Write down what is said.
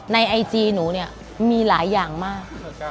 ไอจีหนูเนี่ยมีหลายอย่างมาก